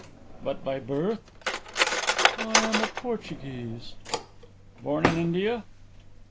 "But by birth?" "I am a Portuguese." "Born in India?"